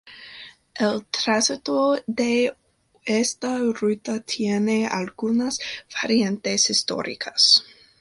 El trazado de esta ruta tiene algunas variantes históricas.